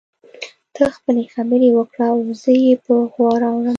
ته خپلې خبرې وکړه او زه يې په غور اورم.